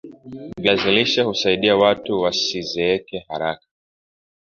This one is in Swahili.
viazi lishe husaidia watu wasizeeke haraka